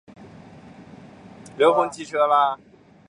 为繁嚣国际都会营造一个宁静和谐环境。